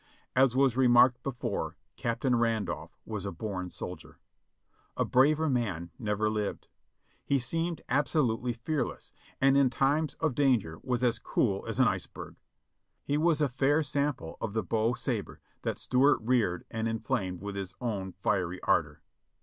As was remarked before. Captain Randolph was a born soldier. A braver man never lived. He seemed absolutely fearless, and in times of danger was as cool as an iceberg. He was a fair sample of the "beau sabre" that Stuart reared and inflamed with his own fiery ardor.